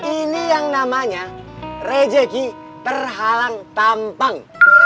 ini yang namanya rezeki terhalang tampang